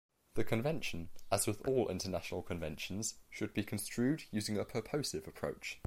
The Convention, as with all international conventions, should be construed using a purposive approach.